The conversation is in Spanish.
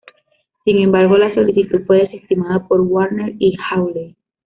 Sin embargo, la solicitud fue desestimada por Warner y Hawley.